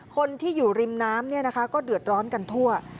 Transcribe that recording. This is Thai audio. คนที่อยู่ริมน้ำก็เดือดร้อนกันทั่ว